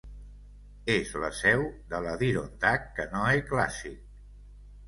És la seu de l'Adirondack Canoe Classic.